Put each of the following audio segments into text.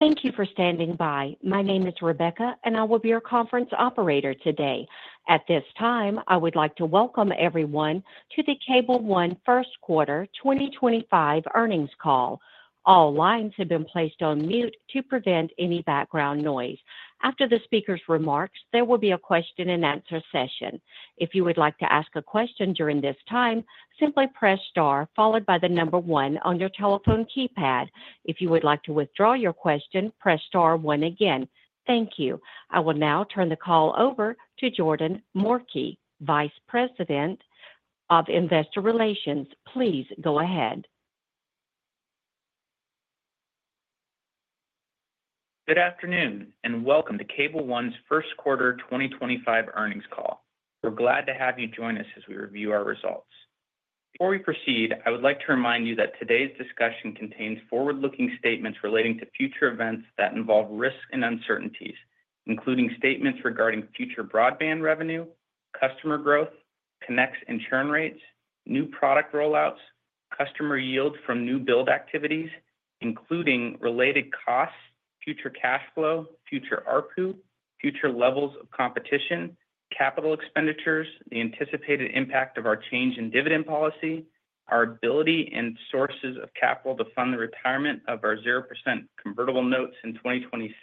Thank you for standing by. My name is Rebecca, and I will be your conference operator today. At this time, I would like to welcome everyone to the Cable One First Quarter 2025 earnings call. All lines have been placed on mute to prevent any background noise. After the speaker's remarks, there will be a question-and-answer session. If you would like to ask a question during this time, simply press star followed by the number one on your telephone keypad. If you would like to withdraw your question, press star one again. Thank you. I will now turn the call over to Jordan Morkert, Vice President of Investor Relations. Please go ahead. Good afternoon and welcome to Cable One's First Quarter 2025 earnings call. We're glad to have you join us as we review our results. Before we proceed, I would like to remind you that today's discussion contains forward-looking statements relating to future events that involve risk and uncertainties, including statements regarding future broadband revenue, customer growth, connects, insurance rates, new product rollouts, customer yields from new build activities, including related costs, future cash flow, future ARPU, future levels of competition, capital expenditures, the anticipated impact of our change in dividend policy, our ability and sources of capital to fund the retirement of our 0% convertible notes in 2026,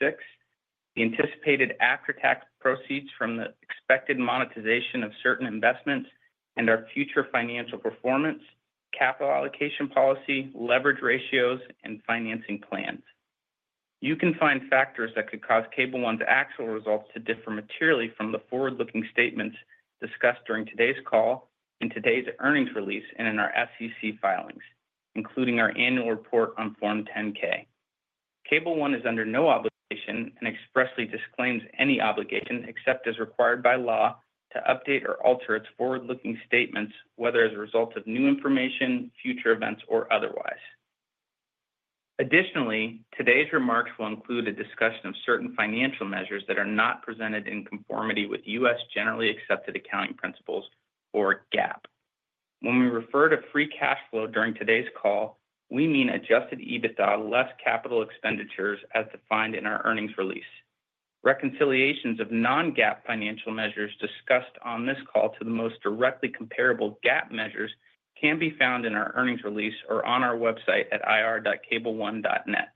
the anticipated after-tax proceeds from the expected monetization of certain investments, and our future financial performance, capital allocation policy, leverage ratios, and financing plans. You can find factors that could cause Cable One's actual results to differ materially from the forward-looking statements discussed during today's call, in today's earnings release, and in our SEC filings, including our annual report on Form 10-K. Cable One is under no obligation and expressly disclaims any obligation except as required by law to update or alter its forward-looking statements, whether as a result of new information, future events, or otherwise. Additionally, today's remarks will include a discussion of certain financial measures that are not presented in conformity with U.S. generally accepted accounting principles, or GAAP. When we refer to free cash flow during today's call, we mean adjusted EBITDA less capital expenditures as defined in our earnings release. Reconciliations of non-GAAP financial measures discussed on this call to the most directly comparable GAAP measures can be found in our earnings release or on our website at ir.cableone.net.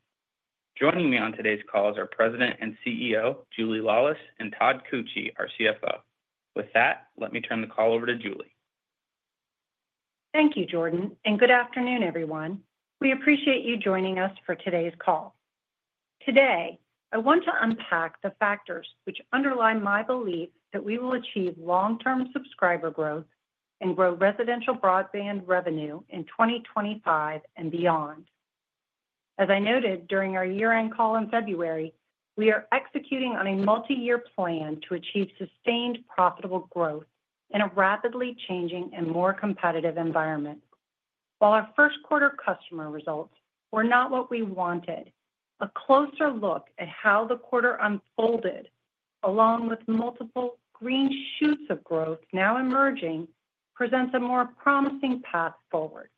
Joining me on today's call is our President and CEO, Julie Lawless, and Todd Koetje, our CFO. With that, let me turn the call over to Julie. Thank you, Jordan, and good afternoon, everyone. We appreciate you joining us for today's call. Today, I want to unpack the factors which underlie my belief that we will achieve long-term subscriber growth and grow residential broadband revenue in 2025 and beyond. As I noted during our year-end call in February, we are executing on a multi-year plan to achieve sustained profitable growth in a rapidly changing and more competitive environment. While our first quarter customer results were not what we wanted, a closer look at how the quarter unfolded, along with multiple green shoots of growth now emerging, presents a more promising path forward.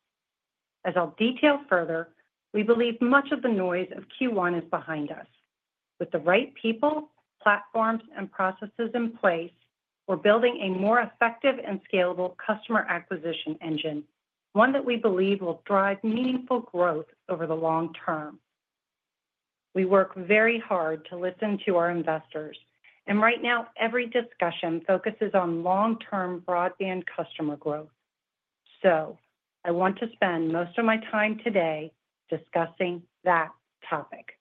As I'll detail further, we believe much of the noise of Q1 is behind us. With the right people, platforms, and processes in place, we're building a more effective and scalable customer acquisition engine, one that we believe will drive meaningful growth over the long term. We work very hard to listen to our investors, and right now, every discussion focuses on long-term broadband customer growth. I want to spend most of my time today discussing that topic.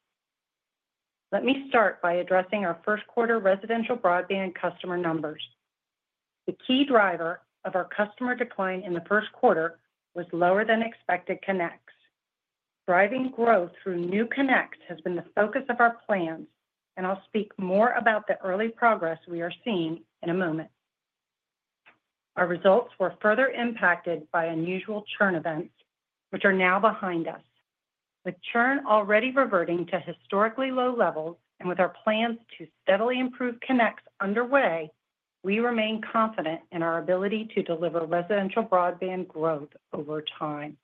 Let me start by addressing our first quarter residential broadband customer numbers. The key driver of our customer decline in the first quarter was lower-than-expected connects. Driving growth through new connects has been the focus of our plans, and I'll speak more about the early progress we are seeing in a moment. Our results were further impacted by unusual churn events, which are now behind us. With churn already reverting to historically low levels and with our plans to steadily improve connects underway, we remain confident in our ability to deliver residential broadband growth over time.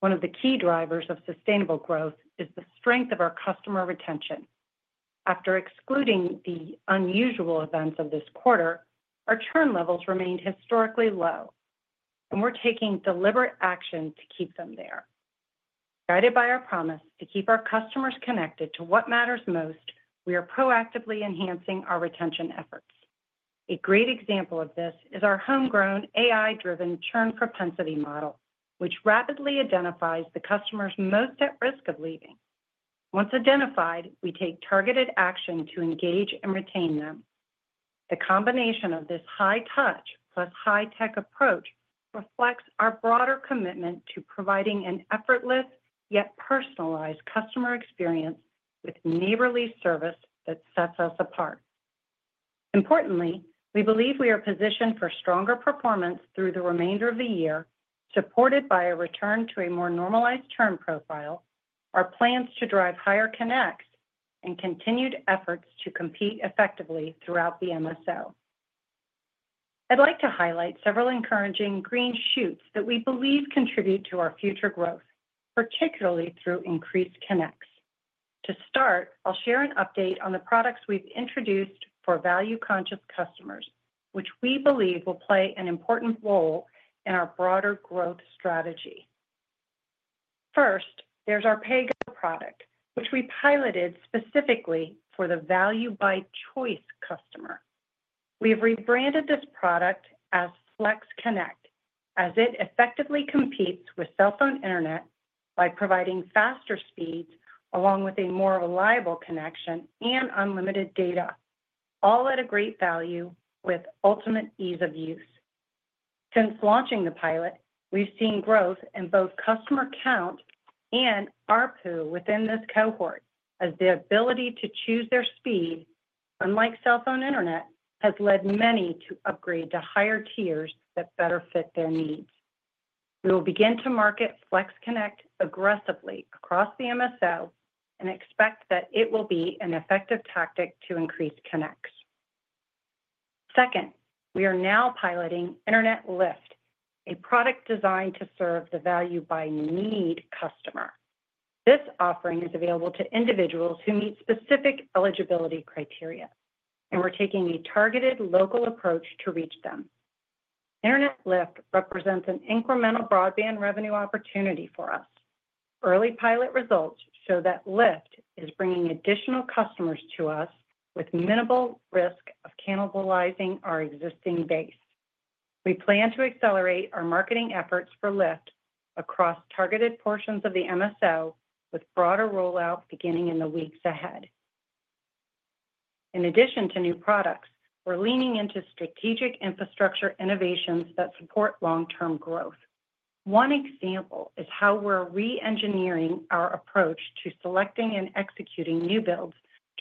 One of the key drivers of sustainable growth is the strength of our customer retention. After excluding the unusual events of this quarter, our churn levels remained historically low, and we're taking deliberate action to keep them there. Guided by our promise to keep our customers connected to what matters most, we are proactively enhancing our retention efforts. A great example of this is our homegrown AI-driven churn propensity model, which rapidly identifies the customers most at risk of leaving. Once identified, we take targeted action to engage and retain them. The combination of this high-touch plus high-tech approach reflects our broader commitment to providing an effortless yet personalized customer experience with neighborly service that sets us apart. Importantly, we believe we are positioned for stronger performance through the remainder of the year, supported by a return to a more normalized churn profile, our plans to drive higher connects, and continued efforts to compete effectively throughout the MSO. I'd like to highlight several encouraging green shoots that we believe contribute to our future growth, particularly through increased connects. To start, I'll share an update on the products we've introduced for value-conscious customers, which we believe will play an important role in our broader growth strategy. First, there's our PayGo product, which we piloted specifically for the value-by-choice customer. We have rebranded this product as Flex Connect, as it effectively competes with cell phone internet by providing faster speeds along with a more reliable connection and unlimited data, all at a great value with ultimate ease of use. Since launching the pilot, we've seen growth in both customer count and ARPU within this cohort, as the ability to choose their speed, unlike cell phone internet, has led many to upgrade to higher tiers that better fit their needs. We will begin to market Flex Connect aggressively across the MSO and expect that it will be an effective tactic to increase connects. Second, we are now piloting Internet Lift, a product designed to serve the value-by-need customer. This offering is available to individuals who meet specific eligibility criteria, and we're taking a targeted local approach to reach them. Internet Lift represents an incremental broadband revenue opportunity for us. Early pilot results show that Lift is bringing additional customers to us with minimal risk of cannibalizing our existing base. We plan to accelerate our marketing efforts for Lift across targeted portions of the MSO, with broader rollout beginning in the weeks ahead. In addition to new products, we're leaning into strategic infrastructure innovations that support long-term growth. One example is how we're re-engineering our approach to selecting and executing new builds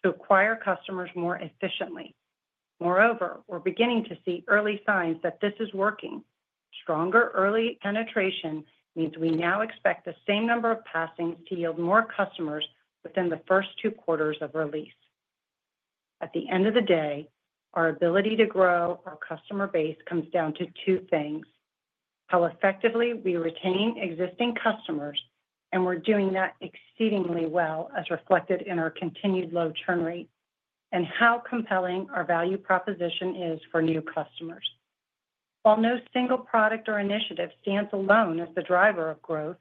to acquire customers more efficiently. Moreover, we're beginning to see early signs that this is working. Stronger early penetration means we now expect the same number of passings to yield more customers within the first two quarters of release. At the end of the day, our ability to grow our customer base comes down to two things: how effectively we retain existing customers, and we're doing that exceedingly well, as reflected in our continued low churn rate, and how compelling our value proposition is for new customers. While no single product or initiative stands alone as the driver of growth,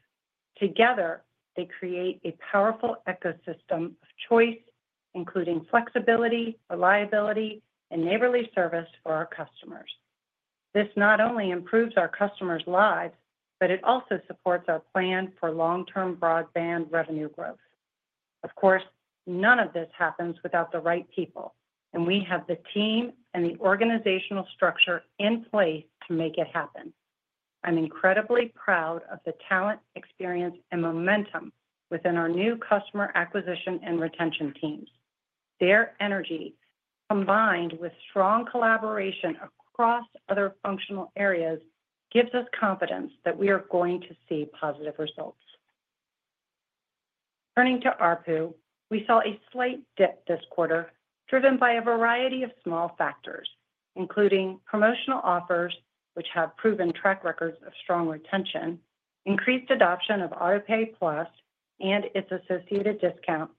together, they create a powerful ecosystem of choice, including flexibility, reliability, and neighborly service for our customers. This not only improves our customers' lives, but it also supports our plan for long-term broadband revenue growth. Of course, none of this happens without the right people, and we have the team and the organizational structure in place to make it happen. I'm incredibly proud of the talent, experience, and momentum within our new customer acquisition and retention teams. Their energy, combined with strong collaboration across other functional areas, gives us confidence that we are going to see positive results. Turning to ARPU, we saw a slight dip this quarter, driven by a variety of small factors, including promotional offers, which have proven track records of strong retention, increased adoption of AutoPay Plus and its associated discount,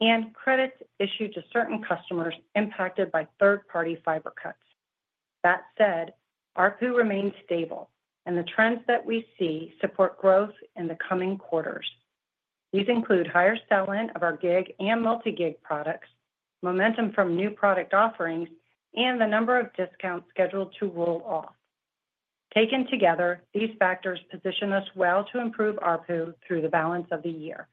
and credits issued to certain customers impacted by third-party fiber cuts. That said, ARPU remains stable, and the trends that we see support growth in the coming quarters. These include higher sell-in of our gig and multi-gig products, momentum from new product offerings, and the number of discounts scheduled to roll off. Taken together, these factors position us well to improve ARPU through the balance of the year.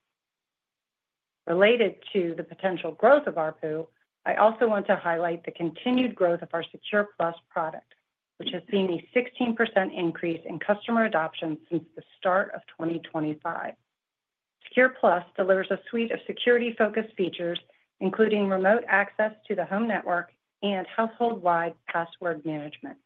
Related to the potential growth of ARPU, I also want to highlight the continued growth of our Secure Plus product, which has seen a 16% increase in customer adoption since the start of 2025. Secure Plus delivers a suite of security-focused features, including remote access to the home network and household-wide password management.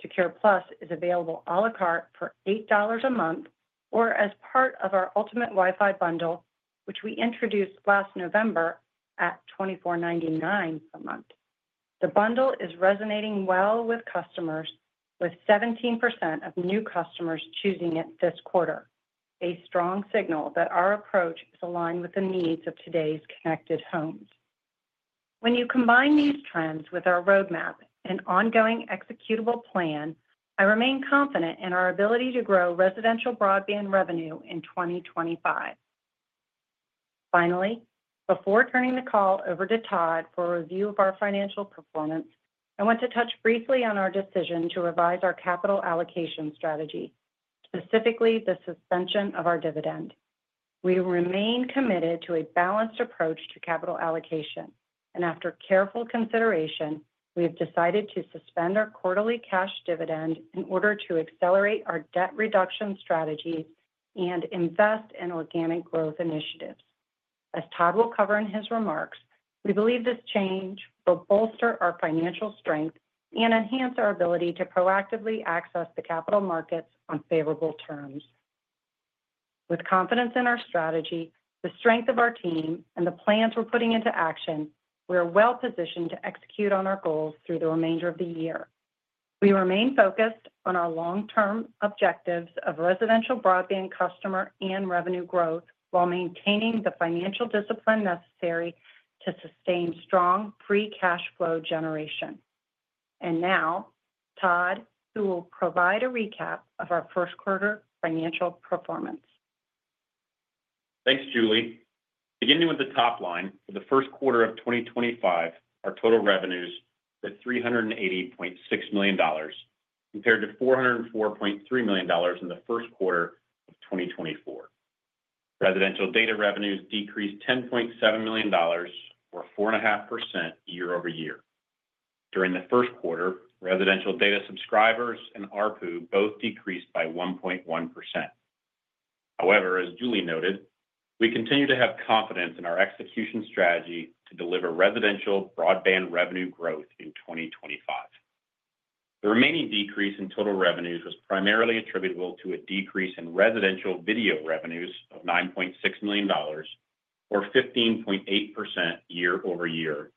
Secure Plus is available à la carte for $8 a month or as part of our Ultimate Wi-Fi bundle, which we introduced last November at $24.99 a month. The bundle is resonating well with customers, with 17% of new customers choosing it this quarter, a strong signal that our approach is aligned with the needs of today's connected homes. When you combine these trends with our roadmap and ongoing executable plan, I remain confident in our ability to grow residential broadband revenue in 2025. Finally, before turning the call over to Todd for a review of our financial performance, I want to touch briefly on our decision to revise our capital allocation strategy, specifically the suspension of our dividend. We remain committed to a balanced approach to capital allocation, and after careful consideration, we have decided to suspend our quarterly cash dividend in order to accelerate our debt reduction strategies and invest in organic growth initiatives. As Todd will cover in his remarks, we believe this change will bolster our financial strength and enhance our ability to proactively access the capital markets on favorable terms. With confidence in our strategy, the strength of our team, and the plans we're putting into action, we are well positioned to execute on our goals through the remainder of the year. We remain focused on our long-term objectives of residential broadband customer and revenue growth while maintaining the financial discipline necessary to sustain strong pre-cash flow generation. Now, Todd, who will provide a recap of our first quarter financial performance. Thanks, Julie. Beginning with the top line, for the first quarter of 2025, our total revenues hit $380.6 million, compared to $404.3 million in the first quarter of 2024. Residential data revenues decreased $10.7 million, or 4.5% year-over-year. During the first quarter, residential data subscribers and ARPU both decreased by 1.1%. However, as Julie noted, we continue to have confidence in our execution strategy to deliver residential broadband revenue growth in 2025. The remaining decrease in total revenues was primarily attributable to a decrease in residential video revenues of $9.6 million, or 15.8% year-over-year,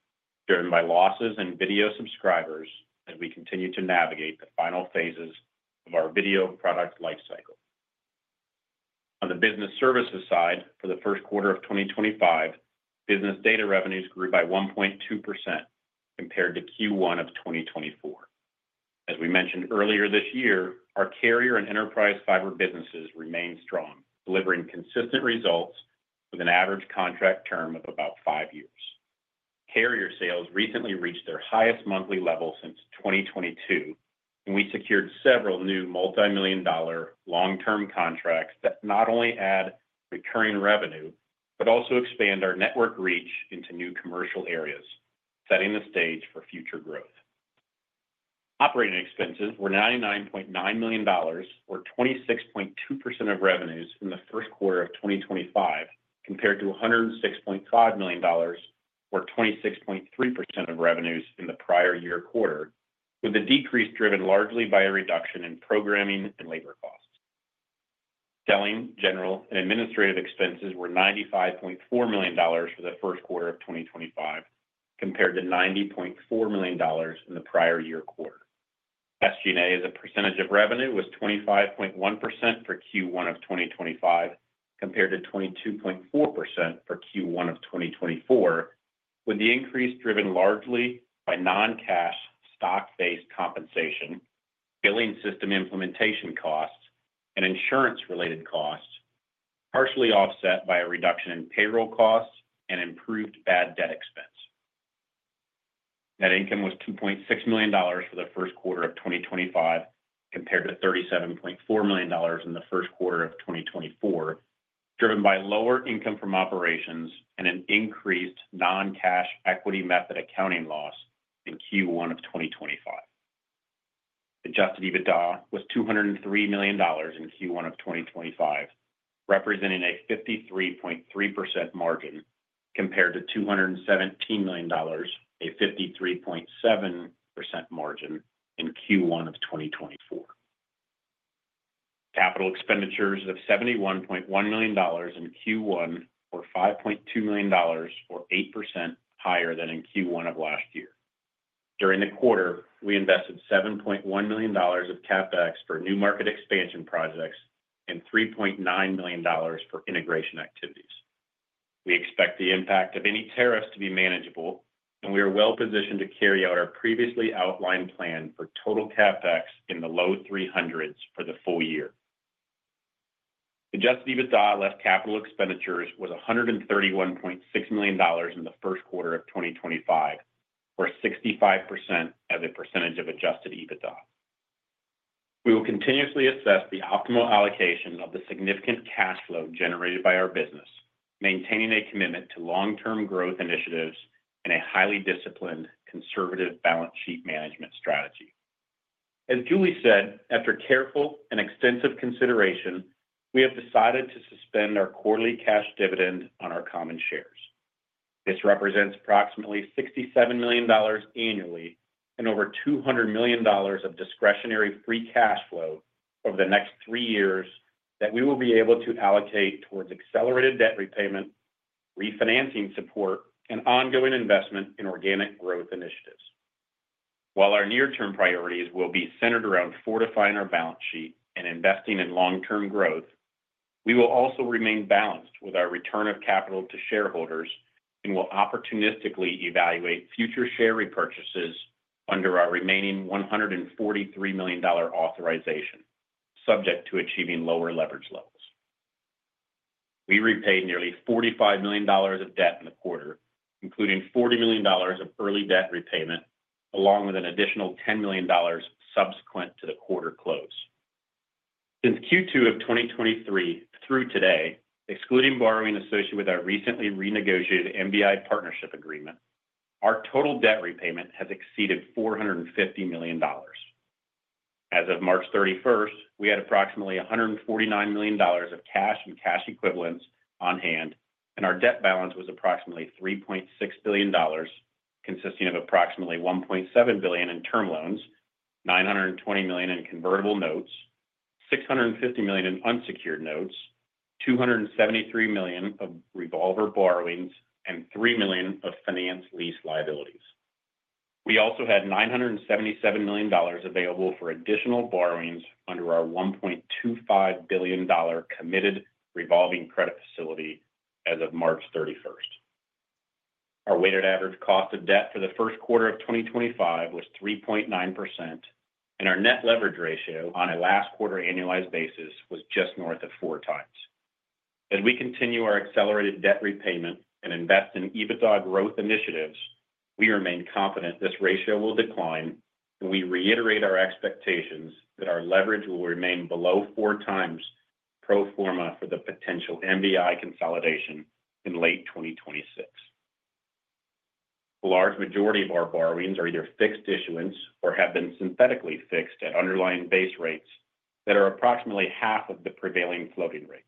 driven by losses in video subscribers as we continue to navigate the final phases of our video product lifecycle. On the business services side, for the first quarter of 2025, business data revenues grew by 1.2% compared to Q1 of 2024. As we mentioned earlier this year, our carrier and enterprise fiber businesses remained strong, delivering consistent results with an average contract term of about five years. Carrier sales recently reached their highest monthly level since 2022, and we secured several new multi-million dollar long-term contracts that not only add recurring revenue but also expand our network reach into new commercial areas, setting the stage for future growth. Operating expenses were $99.9 million, or 26.2% of revenues in the first quarter of 2025, compared to $106.5 million, or 26.3% of revenues in the prior year quarter, with the decrease driven largely by a reduction in programming and labor costs. Selling, general, and administrative expenses were $95.4 million for the first quarter of 2025, compared to $90.4 million in the prior year quarter. SG&A's percentage of revenue was 25.1% for Q1 of 2025, compared to 22.4% for Q1 of 2024, with the increase driven largely by non-cash stock-based compensation, billing system implementation costs, and insurance-related costs, partially offset by a reduction in payroll costs and improved bad debt expense. Net income was $2.6 million for the first quarter of 2025, compared to $37.4 million in the first quarter of 2024, driven by lower income from operations and an increased non-cash equity method accounting loss in Q1 of 2025. Adjusted EBITDA was $203 million in Q1 of 2025, representing a 53.3% margin, compared to $217 million, a 53.7% margin, in Q1 of 2024. Capital expenditures of $71.1 million in Q1 were $5.2 million, or 8% higher than in Q1 of last year. During the quarter, we invested $7.1 million of CapEx for new market expansion projects and $3.9 million for integration activities. We expect the impact of any tariffs to be manageable, and we are well positioned to carry out our previously outlined plan for total CapEx in the low $300 million for the full year. Adjusted EBITDA less capital expenditures was $131.6 million in the first quarter of 2025, or 65% as a percentage of adjusted EBITDA. We will continuously assess the optimal allocation of the significant cash flow generated by our business, maintaining a commitment to long-term growth initiatives and a highly disciplined, conservative balance sheet management strategy. As Julie said, after careful and extensive consideration, we have decided to suspend our quarterly cash dividend on our common shares. This represents approximately $67 million annually and over $200 million of discretionary free cash flow over the next three years that we will be able to allocate towards accelerated debt repayment, refinancing support, and ongoing investment in organic growth initiatives. While our near-term priorities will be centered around fortifying our balance sheet and investing in long-term growth, we will also remain balanced with our return of capital to shareholders and will opportunistically evaluate future share repurchases under our remaining $143 million authorization, subject to achieving lower leverage levels. We repaid nearly $45 million of debt in the quarter, including $40 million of early debt repayment, along with an additional $10 million subsequent to the quarter close. Since Q2 of 2023 through today, excluding borrowing associated with our recently renegotiated MBI partnership agreement, our total debt repayment has exceeded $450 million. As of March 31, we had approximately $149 million of cash and cash equivalents on hand, and our debt balance was approximately $3.6 billion, consisting of approximately $1.7 billion in term loans, $920 million in convertible notes, $650 million in unsecured notes, $273 million of revolver borrowings, and $3 million of finance lease liabilities. We also had $977 million available for additional borrowings under our $1.25 billion committed revolving credit facility as of March 31. Our weighted average cost of debt for the first quarter of 2025 was 3.9%, and our net leverage ratio on a last quarter annualized basis was just north of four times. As we continue our accelerated debt repayment and invest in EBITDA growth initiatives, we remain confident this ratio will decline, and we reiterate our expectations that our leverage will remain below four times pro forma for the potential MBI consolidation in late 2026. The large majority of our borrowings are either fixed issuance or have been synthetically fixed at underlying base rates that are approximately half of the prevailing floating rates.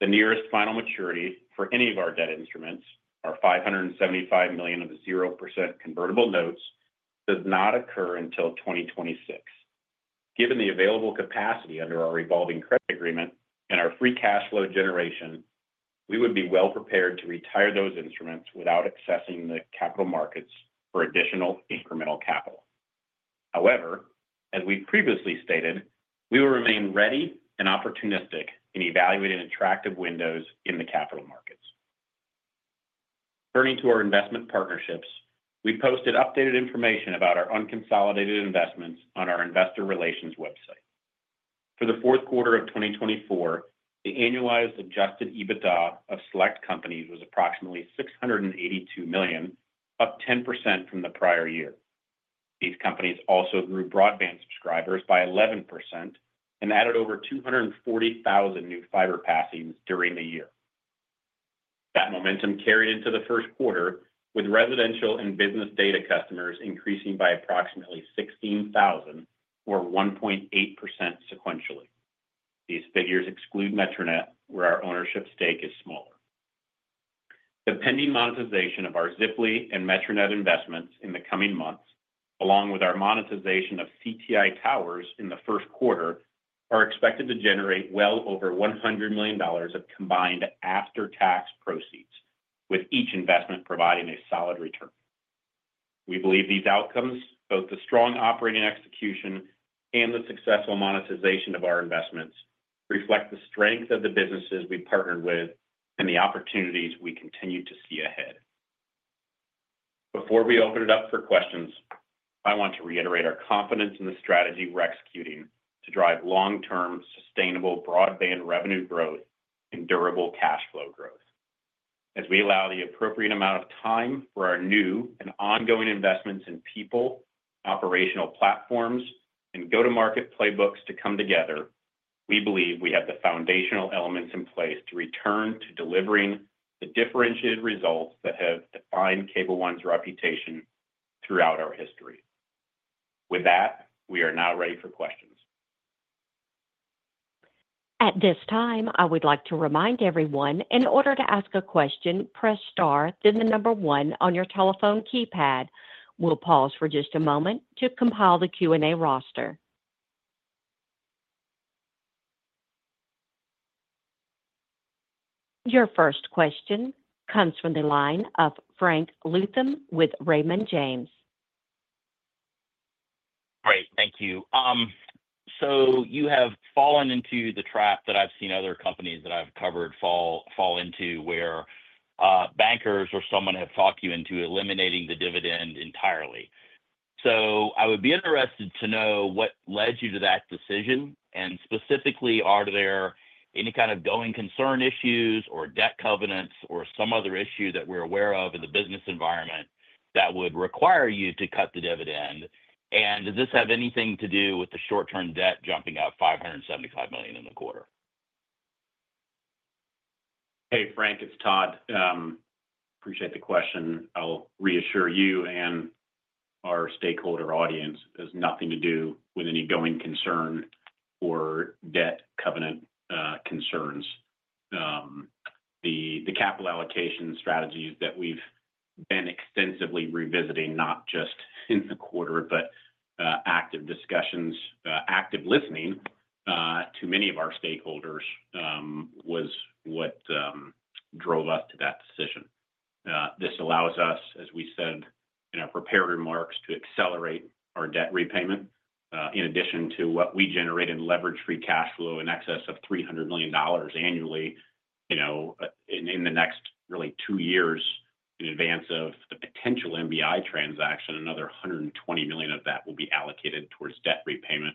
The nearest final maturity for any of our debt instruments, our $575 million of 0% convertible notes, does not occur until 2026. Given the available capacity under our revolving credit agreement and our free cash flow generation, we would be well prepared to retire those instruments without accessing the capital markets for additional incremental capital. However, as we previously stated, we will remain ready and opportunistic in evaluating attractive windows in the capital markets. Turning to our investment partnerships, we posted updated information about our unconsolidated investments on our investor relations website. For the fourth quarter of 2024, the annualized adjusted EBITDA of select companies was approximately $682 million, up 10% from the prior year. These companies also grew broadband subscribers by 11% and added over 240,000 new fiber passings during the year. That momentum carried into the first quarter, with residential and business data customers increasing by approximately 16,000, or 1.8% sequentially. These figures exclude Metronet, where our ownership stake is smaller. The pending monetization of our ZipLy Fiber and Metronet investments in the coming months, along with our monetization of CTI Towers in the first quarter, are expected to generate well over $100 million of combined after-tax proceeds, with each investment providing a solid return. We believe these outcomes, both the strong operating execution and the successful monetization of our investments, reflect the strength of the businesses we partnered with and the opportunities we continue to see ahead. Before we open it up for questions, I want to reiterate our confidence in the strategy we're executing to drive long-term sustainable broadband revenue growth and durable cash flow growth. As we allow the appropriate amount of time for our new and ongoing investments in people, operational platforms, and go-to-market playbooks to come together, we believe we have the foundational elements in place to return to delivering the differentiated results that have defined Cable One's reputation throughout our history. With that, we are now ready for questions. At this time, I would like to remind everyone, in order to ask a question, press star, then the number one on your telephone keypad. We'll pause for just a moment to compile the Q&A roster. Your first question comes from the line of Frank Louthan with Raymond James. Great. Thank you. You have fallen into the trap that I've seen other companies that I've covered fall into where bankers or someone have talked you into eliminating the dividend entirely. I would be interested to know what led you to that decision, and specifically, are there any kind of going concern issues or debt covenants or some other issue that we're aware of in the business environment that would require you to cut the dividend? Does this have anything to do with the short-term debt jumping up $575 million in the quarter? Hey, Frank, it's Todd. Appreciate the question. I'll reassure you and our stakeholder audience, it has nothing to do with any going concern or debt covenant concerns. The capital allocation strategies that we've been extensively revisiting, not just in the quarter, but active discussions, active listening to many of our stakeholders was what drove us to that decision. This allows us, as we said in our prepared remarks, to accelerate our debt repayment. In addition to what we generate in leverage-free cash flow in excess of $300 million annually, in the next really two years, in advance of the potential MBI transaction, another $120 million of that will be allocated towards debt repayment.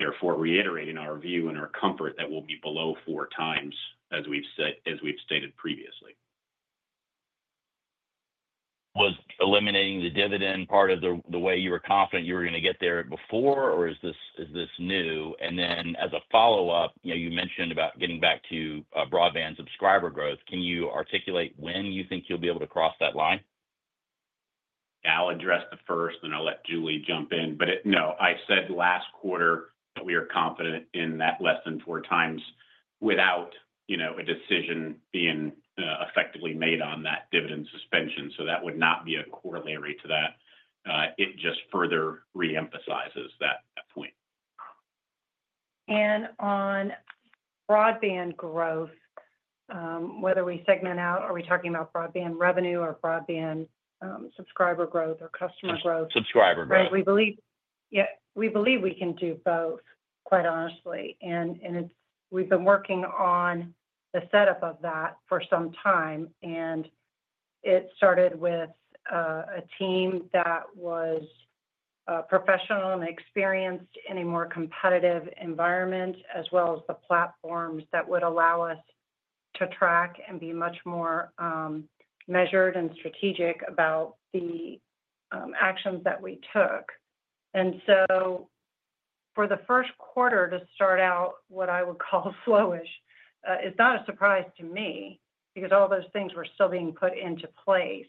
Therefore, reiterating our view and our comfort that we'll be below four times, as we've stated previously. Was eliminating the dividend part of the way you were confident you were going to get there before, or is this new? As a follow-up, you mentioned about getting back to broadband subscriber growth. Can you articulate when you think you'll be able to cross that line? I'll address the first, and I'll let Julie jump in. No, I said last quarter that we are confident in that less than four times without a decision being effectively made on that dividend suspension. That would not be a corollary to that. It just further reemphasizes that point. On broadband growth, whether we segment out, are we talking about broadband revenue or broadband subscriber growth or customer growth? Subscriber growth. Right. We believe we can do both, quite honestly. We have been working on the setup of that for some time, and it started with a team that was professional and experienced in a more competitive environment, as well as the platforms that would allow us to track and be much more measured and strategic about the actions that we took. For the first quarter to start out, what I would call slowish, it is not a surprise to me because all those things were still being put into place.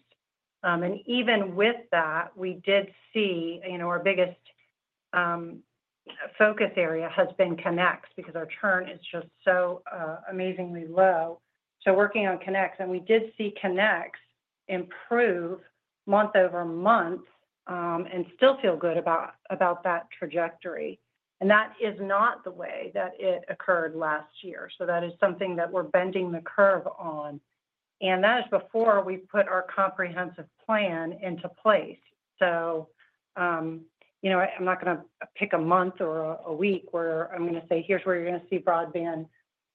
Even with that, we did see our biggest focus area has been connects because our churn is just so amazingly low. Working on connects, and we did see connects improve month over month and still feel good about that trajectory. That is not the way that it occurred last year. That is something that we're bending the curve on. That is before we put our comprehensive plan into place. I'm not going to pick a month or a week where I'm going to say, "Here's where you're going to see broadband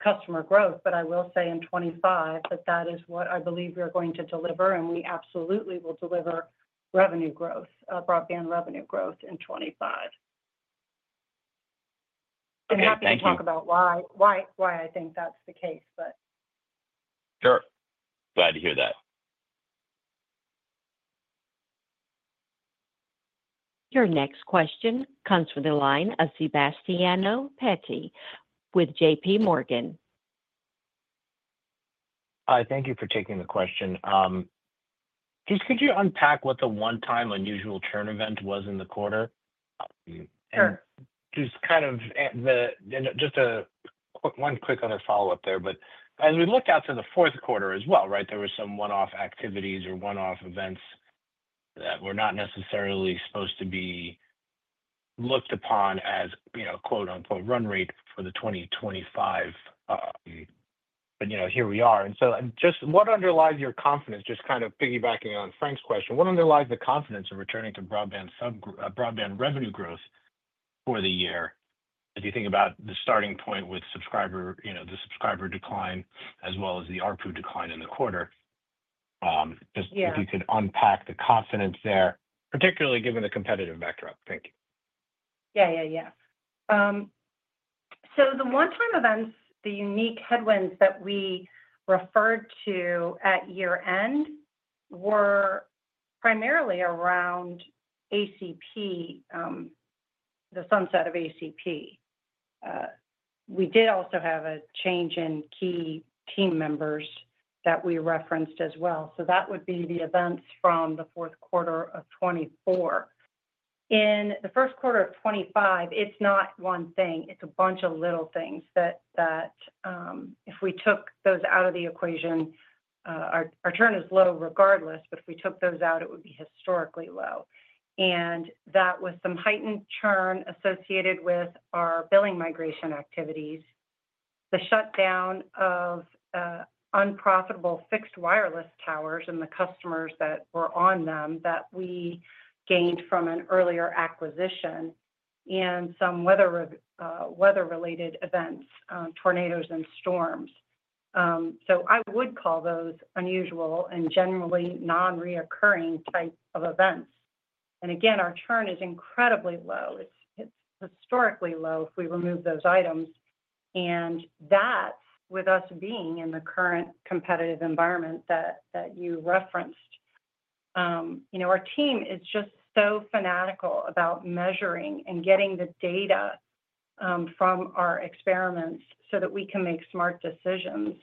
customer growth," but I will say in 2025 that that is what I believe we're going to deliver, and we absolutely will deliver broadband revenue growth in 2025. Happy to talk about why I think that's the case, but. Sure. Glad to hear that. Your next question comes from the line of Sebastiano Petti with JP Morgan. Hi. Thank you for taking the question. Just could you unpack what the one-time unusual churn event was in the quarter? Sure. Just kind of just one quick other follow-up there. As we looked out to the fourth quarter as well, right, there were some one-off activities or one-off events that were not necessarily supposed to be looked upon as "run rate" for the 2025. Here we are. Just what underlies your confidence, just kind of piggybacking on Frank's question, what underlies the confidence of returning to broadband revenue growth for the year as you think about the starting point with the subscriber decline as well as the ARPU decline in the quarter? If you could unpack the confidence there, particularly given the competitive backdrop. Thank you. Yeah, yeah, yeah. The one-time events, the unique headwinds that we referred to at year-end were primarily around ACP, the sunset of ACP. We did also have a change in key team members that we referenced as well. That would be the events from the fourth quarter of 2024. In the first quarter of 2025, it's not one thing. It's a bunch of little things that if we took those out of the equation, our churn is low regardless, but if we took those out, it would be historically low. That was some heightened churn associated with our billing migration activities, the shutdown of unprofitable fixed wireless towers and the customers that were on them that we gained from an earlier acquisition, and some weather-related events, tornadoes and storms. I would call those unusual and generally non-reoccurring types of events. Our churn is incredibly low. It is historically low if we remove those items. That is with us being in the current competitive environment that you referenced. Our team is just so fanatical about measuring and getting the data from our experiments so that we can make smart decisions.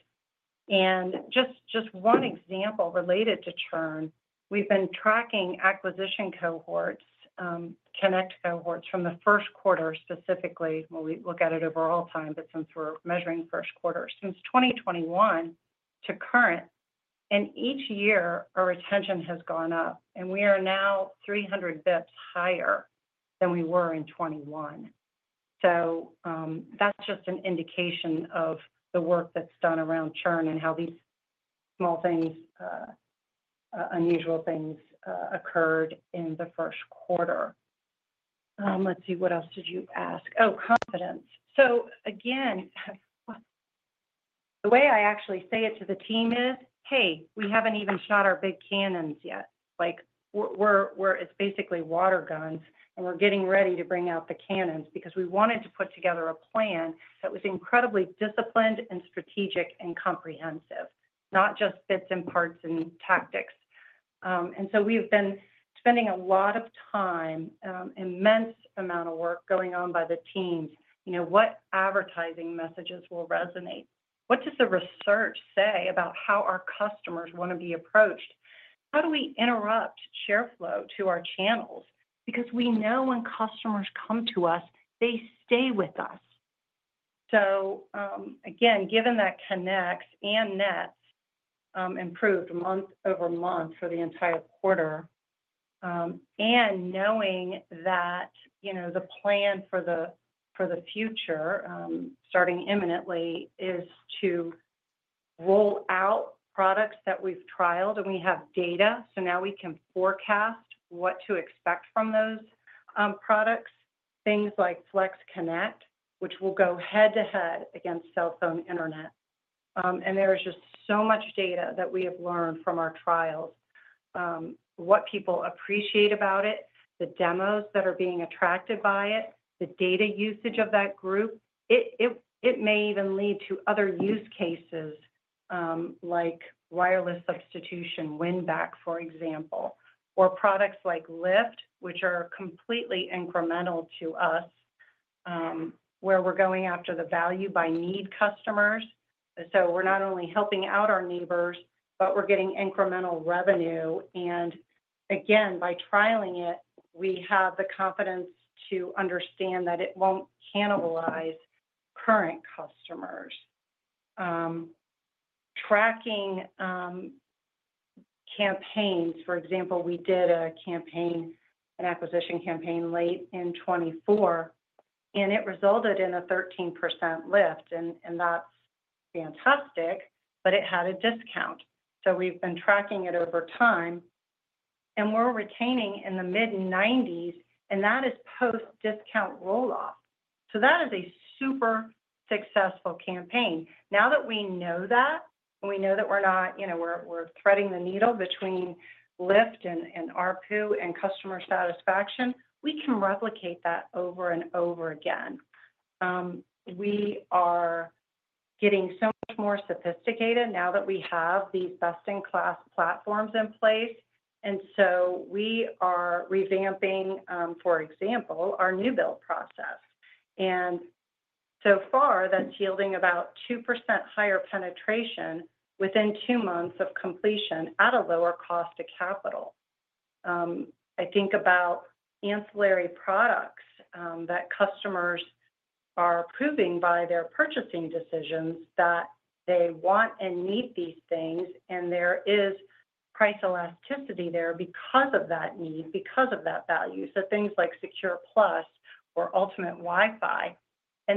Just one example related to churn, we have been tracking acquisition cohorts, Connex cohorts from the first quarter specifically. We look at it over all time, but since we are measuring first quarter, since 2021 to current, and each year our retention has gone up, and we are now 300 basis points higher than we were in 2021. That is just an indication of the work that is done around churn and how these small things, unusual things occurred in the first quarter. Let us see. What else did you ask? Oh, confidence. The way I actually say it to the team is, "Hey, we haven't even shot our big cannons yet." It's basically water guns, and we're getting ready to bring out the cannons because we wanted to put together a plan that was incredibly disciplined and strategic and comprehensive, not just bits and parts and tactics. We have been spending a lot of time, immense amount of work going on by the teams, what advertising messages will resonate, what does the research say about how our customers want to be approached, how do we interrupt share flow to our channels because we know when customers come to us, they stay with us. Again, given that connects and nets improved month over month for the entire quarter, and knowing that the plan for the future starting imminently is to roll out products that we've trialed and we have data, we can forecast what to expect from those products, things like Flex Connect, which will go head-to-head against cell phone internet. There is just so much data that we have learned from our trials, what people appreciate about it, the demos that are being attracted by it, the data usage of that group. It may even lead to other use cases like wireless substitution, winback, for example, or products like Lift, which are completely incremental to us, where we're going after the value-by-need customers. We're not only helping out our neighbors, but we're getting incremental revenue. By trialing it, we have the confidence to understand that it will not cannibalize current customers. Tracking campaigns, for example, we did an acquisition campaign late in 2024, and it resulted in a 13% lift, and that is fantastic, but it had a discount. We have been tracking it over time, and we are retaining in the mid-90s, and that is post-discount roll-off. That is a super successful campaign. Now that we know that, and we know that we are threading the needle between lift and ARPU and customer satisfaction, we can replicate that over and over again. We are getting so much more sophisticated now that we have these best-in-class platforms in place. We are revamping, for example, our new build process. So far, that is yielding about 2% higher penetration within two months of completion at a lower cost of capital. I think about ancillary products that customers are proving by their purchasing decisions that they want and need these things, and there is price elasticity there because of that need, because of that value. Things like Secure Plus or Ultimate Wi-Fi.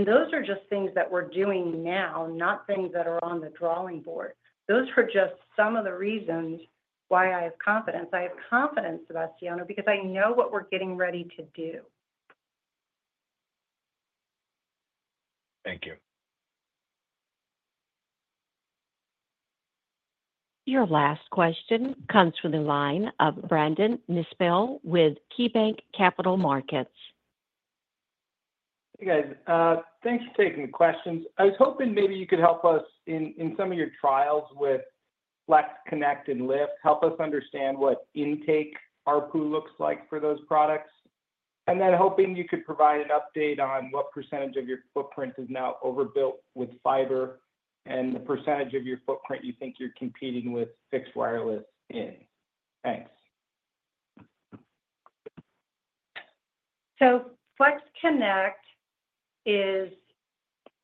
Those are just things that we're doing now, not things that are on the drawing board. Those are just some of the reasons why I have confidence. I have confidence, Sebastiano, because I know what we're getting ready to do. Thank you. Your last question comes from the line of Brandon Nispel with KeyBank Capital Markets. Hey, guys. Thanks for taking the questions. I was hoping maybe you could help us in some of your trials with FlexConnect and Internet Lift, help us understand what intake ARPU looks like for those products. I was also hoping you could provide an update on what percentage of your footprint is now overbuilt with fiber and the percentage of your footprint you think you're competing with fixed wireless in. Thanks. Flex Connect is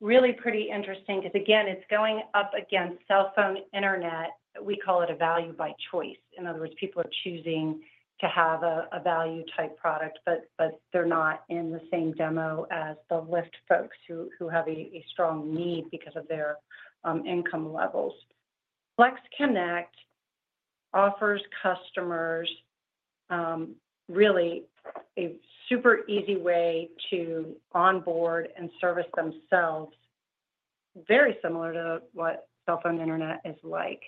really pretty interesting because, again, it's going up against cell phone internet. We call it a value-by-choice. In other words, people are choosing to have a value-type product, but they're not in the same demo as the Lift folks who have a strong need because of their income levels. Flex Connect offers customers really a super easy way to onboard and service themselves, very similar to what cell phone internet is like.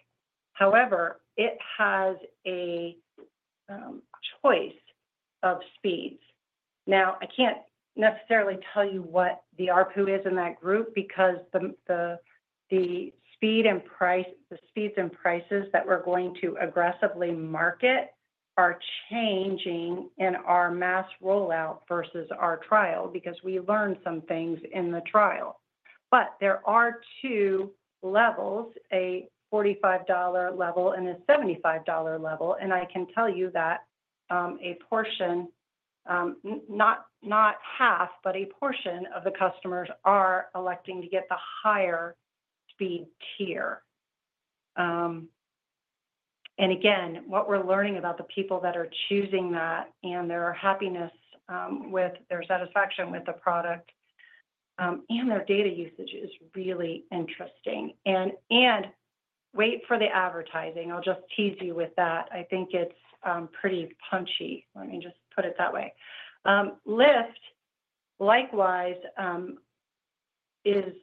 However, it has a choice of speeds. Now, I can't necessarily tell you what the ARPU is in that group because the speeds and prices that we're going to aggressively market are changing in our mass rollout versus our trial because we learned some things in the trial. There are two levels, a $45 level and a $75 level. I can tell you that a portion, not half, but a portion of the customers are electing to get the higher speed tier. Again, what we're learning about the people that are choosing that and their happiness with their satisfaction with the product and their data usage is really interesting. Wait for the advertising. I'll just tease you with that. I think it's pretty punchy. Let me just put it that way. Internet Lift, likewise, its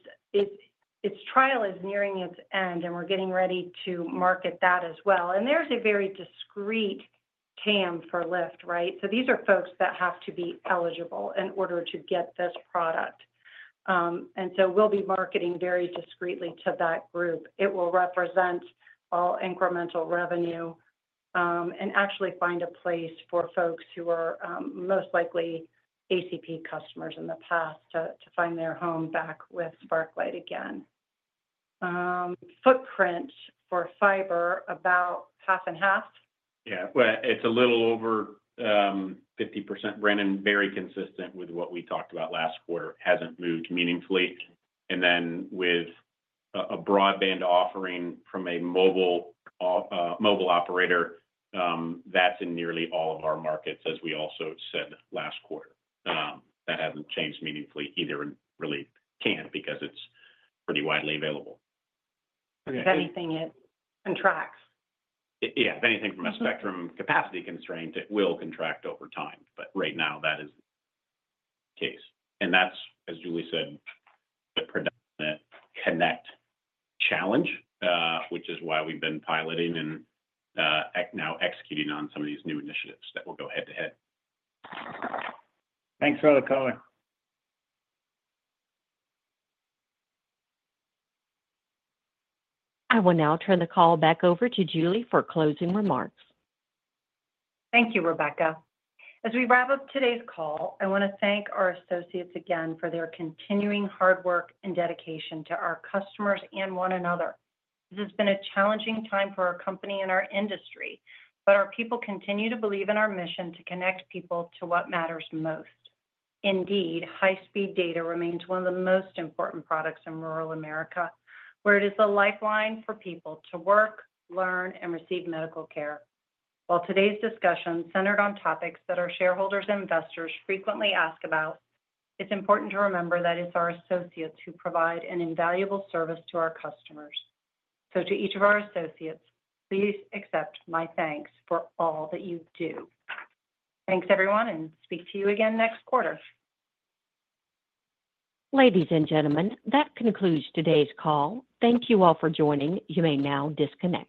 trial is nearing its end, and we're getting ready to market that as well. There is a very discreet TAM for Internet Lift, right? These are folks that have to be eligible in order to get this product. We will be marketing very discreetly to that group. It will represent all incremental revenue and actually find a place for folks who are most likely ACP customers in the past to find their home back with Sparklight again. Footprint for fiber, about half and half? Yeah. It is a little over 50%. Brandon, very consistent with what we talked about last quarter, has not moved meaningfully. With a broadband offering from a mobile operator, that is in nearly all of our markets, as we also said last quarter. That has not changed meaningfully either, and really cannot because it is pretty widely available. If anything, it contracts. Yeah. If anything, from a spectrum capacity constraint, it will contract over time. Right now, that is the case. That is, as Julie said, the predominant Connects challenge, which is why we've been piloting and now executing on some of these new initiatives that will go head-to-head. Thanks for the call. I will now turn the call back over to Julie for closing remarks. Thank you, Rebecca. As we wrap up today's call, I want to thank our associates again for their continuing hard work and dedication to our customers and one another. This has been a challenging time for our company and our industry, but our people continue to believe in our mission to connect people to what matters most. Indeed, high-speed data remains one of the most important products in rural America, where it is a lifeline for people to work, learn, and receive medical care. While today's discussion centered on topics that our shareholders and investors frequently ask about, it's important to remember that it's our associates who provide an invaluable service to our customers. To each of our associates, please accept my thanks for all that you do. Thanks, everyone, and speak to you again next quarter. Ladies and gentlemen, that concludes today's call. Thank you all for joining. You may now disconnect.